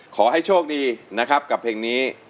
ขอให้โชคดีนะครับกับเพลงนี้